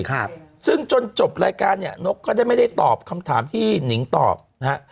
สาธุจนจบรายการเนี่ยน็กก็จะไม่ได้ตอบคำถามที่หนินตอบฮะ